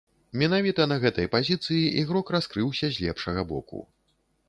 Менавіта на гэтай пазіцыі ігрок раскрыўся з лепшага боку.